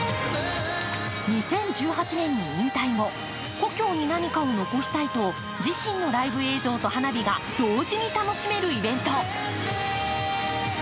２０１８年に引退後、故郷に何かを残したいと自身のライブ映像と花火が同時に楽しめるイベント。